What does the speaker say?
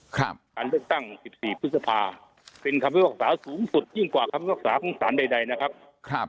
การเลือกตั้ง๑๔พฤษภาเป็นคำพิวักษาสูงสุดยิ่งกว่าคำพิวักษาภูมิศาลใดนะครับ